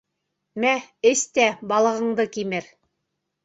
Мә, эс тә балығыңды кимер!..